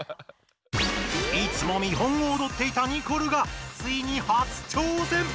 いつも見本をおどっていたニコルがついに初挑戦！